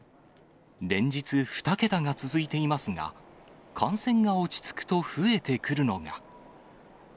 連日、２桁が続いていますが、感染が落ち着くと増えてくるのが。